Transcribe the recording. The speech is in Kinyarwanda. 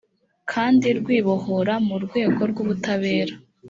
kandi rwibohora mu rwego rw ubutabera